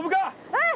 うん。